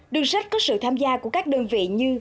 đường sách có sự tham gia của các đơn vị như